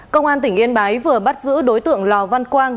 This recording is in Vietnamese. công an tỉnh yên bái vừa bắt giữ đối tượng lò văn quang